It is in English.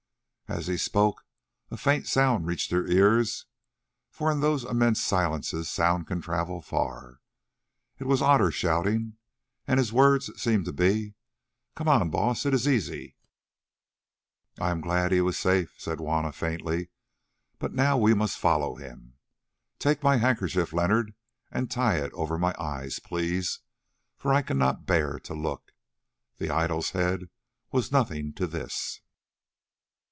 As he spoke a faint sound reached their ears, for in those immense silences sound can travel far. It was Otter shouting, and his words seemed to be, "Come on, Baas; it is easy." "I am glad he is safe," said Juanna faintly, "but now we must follow him. Take my handkerchief, Leonard, and tie it over my eyes, please, for I cannot bear to look. The idol's head was nothing to this."